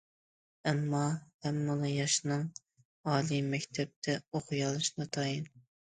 ئەمما، ھەممىلا ياشنىڭ ئالىي مەكتەپتە ئوقۇيالىشى ناتايىن.